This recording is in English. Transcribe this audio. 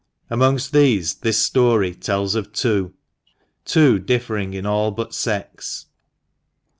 Amongst these, this story tells of two — two differing in all but sex.